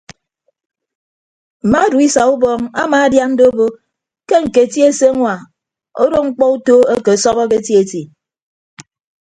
Mma duisa ubọọñ amaadian do obo ke ñketi eseñwa odo ñkpọ uto ake ọsọbọke eti eti.